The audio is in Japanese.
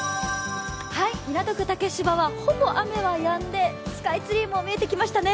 港区竹芝は、ほぼ雨はやんでスカイツリーも見えてきましたね。